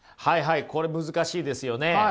はいはいこれ難しいですよね。